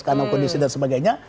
karena kondisi dan sebagainya